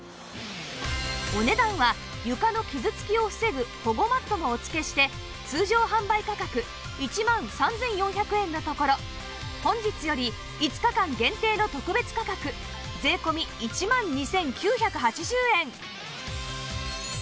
お値段は床の傷つきを防ぐ保護マットもお付けして通常販売価格１万３４００円のところ本日より５日間限定の特別価格税込１万２９８０円！